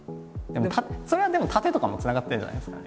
それはでも殺陣とかもつながってるんじゃないですか。